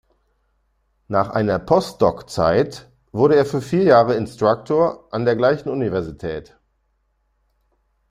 Nach einer Postdoc-Zeit wurde er für vier Jahre Instructor an der gleichen Universität.